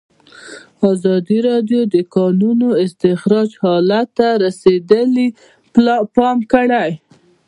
ازادي راډیو د د کانونو استخراج حالت ته رسېدلي پام کړی.